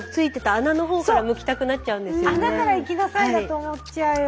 「穴からいきなさい」だと思っちゃうよ。